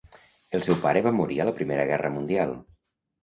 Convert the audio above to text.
El seu pare va morir a la Primera Guerra Mundial.